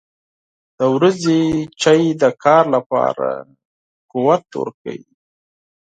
• د ورځې چای د کار لپاره قوت ورکوي.